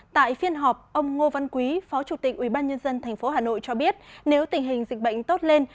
tại phiên họp ông ngô văn quý phó chủ tịch ubnd tp hà nội cho biết nếu tình hình dịch bệnh tốt lên